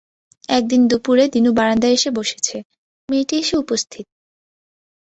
একদিন দুপুরে দিনু বারান্দায় এসে বসেছে, মেয়েটি এসে উপস্থিত।